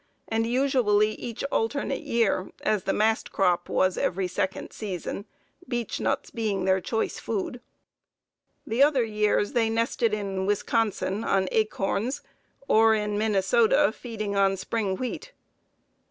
and usually each alternate year, as the mast crop was every second season, beech nuts being their choice food. The other years they nested in Wisconsin on acorns, or in Minnesota, feeding on spring wheat.